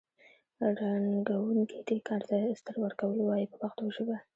رنګوونکي دې کار ته استر ورکول وایي په پښتو ژبه.